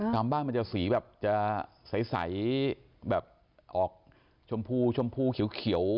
ตามบ้านมันจะสีแบบจะใสแบบออกชมพูชมพูเขียว